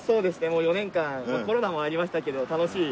もう４年間コロナもありましたけど楽しい。